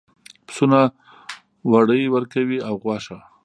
پسونه وړۍ ورکوي او غوښه.